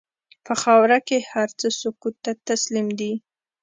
په خاوره کې هر څه سکوت ته تسلیم دي.